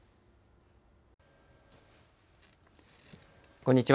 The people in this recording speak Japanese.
こんにちは。